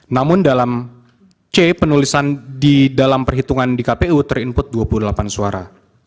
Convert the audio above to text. namun dalam c penulisan di dalam perhitungan di kpu ter input dua puluh delapan suara